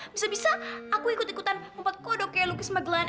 bisa bisa aku ikut ikutan membuat kodok kayak lukis magelan